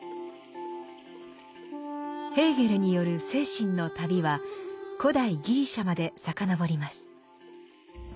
ヘーゲルによる精神の旅は古代ギリシャまで遡ります。